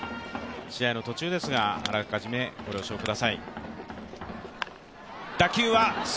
試合の途中ですが、あらかじめご了承ください。